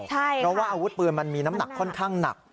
เพราะว่าอาวุธปืนมันมีน้ำหนักค่อนข้างหนัก